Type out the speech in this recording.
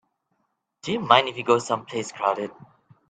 Do you mind if we go someplace crowded?